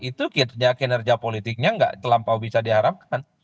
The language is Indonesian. itu kinerja politiknya nggak terlampau bisa diharapkan